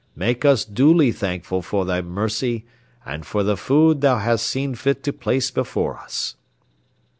Make us duly thankful for thy mercy and for the food thou hast seen fit to place before us."